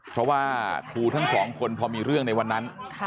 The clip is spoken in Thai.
เพราะว่าครูทั้งสองคนพอมีเรื่องในวันนั้น